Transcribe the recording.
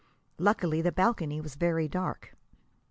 Luckily, the balcony was very dark.